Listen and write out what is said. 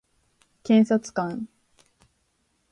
検察官